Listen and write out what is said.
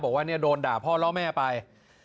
บอกว่าเนี่ยโดนด่าพ่อล่อแม่ไป